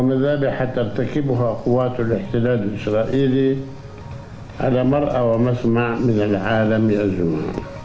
dan saya ingin mengucapkan kebutuhan kepada kekuatan pengembangan israel di seluruh dunia